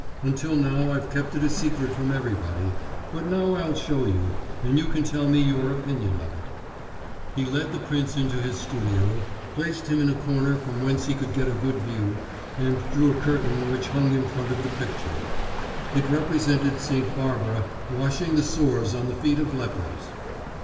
Until now I've kept it a secret from everybody, but now I'll show you, and you can tell me your opinion of it." He led the prince into his studio, placed him in a corner from whence he could get a good view, and drew a curtain which hung in front of the picture. It represented St. Barbara washing the sores on the feet of lepers.